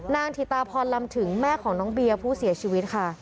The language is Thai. ถิตาพรลำถึงแม่ของน้องเบียร์ผู้เสียชีวิตค่ะ